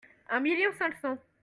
Un million cinq cents.